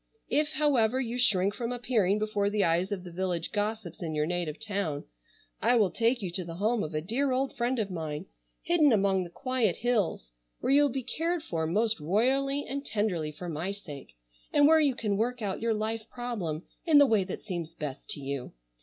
If, however, you shrink from appearing before the eyes of the village gossips in your native town, I will take you to the home of a dear old friend of mine, hidden among the quiet hills, where you will be cared for most royally and tenderly for my sake, and where you can work out your life problem in the way that seems best to you.